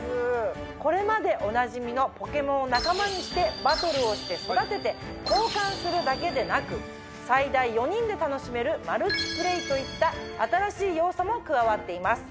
これまでおなじみのポケモンを仲間にしてバトルをして育てて交換するだけでなく最大４人で楽しめるマルチプレイといった新しい要素も加わっています。